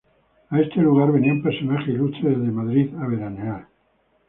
A este lugar venían personajes ilustres desde Madrid a veranear.